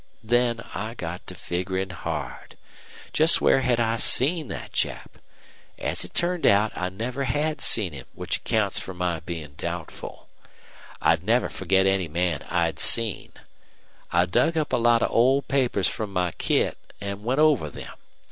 Then I got to figurin' hard. Just where had I ever seen that chap? As it turned out, I never had seen him, which accounts for my bein' doubtful. I'd never forget any man I'd seen. I dug up a lot of old papers from my kit an' went over them.